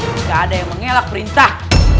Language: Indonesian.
jika ada yang mengelak perintah